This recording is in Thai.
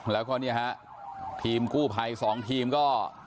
แล้วก็นี่ครับทีมกู้ไพสองทีมก็